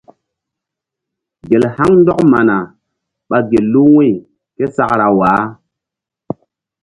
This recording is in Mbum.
Gel haŋ ndɔk mana ɓa gel lu wu̧y ke sakra waah.